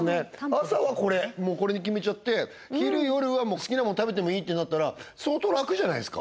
朝はこれもうこれに決めちゃって昼夜は好きなもん食べてもいいってなったら相当楽じゃないですか